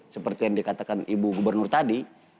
seperti yang dikatakan ibu gubernur tadi